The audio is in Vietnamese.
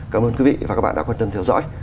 cảm ơn quý vị và các bạn đã quan tâm theo dõi